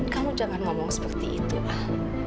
kamu jangan ngomong seperti itu ah